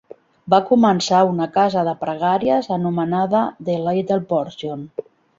Va començar una casa de pregàries anomenada "The Little Portion".